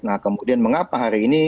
nah kemudian mengapa hari ini